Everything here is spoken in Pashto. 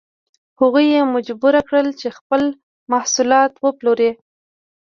هغوی یې مجبور کړل چې خپل محصولات وپلوري.